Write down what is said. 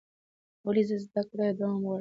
ولې زده کړه دوام غواړي؟